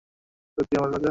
সত্যিই, - আমার রাজা।